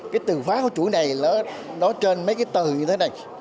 cái từ phá của chủ này nó trên mấy cái từ như thế này